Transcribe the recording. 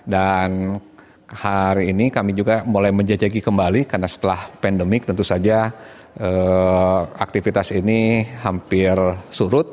dan hari ini kami juga mulai menjajagi kembali karena setelah pandemik tentu saja aktivitas ini hampir surut